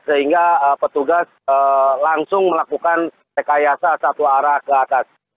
sehingga petugas langsung melakukan rekayasa satu arah ke atas